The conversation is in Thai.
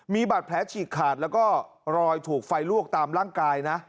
มีบาดแผลฉีกขาดแล้วก็รอยถูกไฟลวกตามร่างกายนะ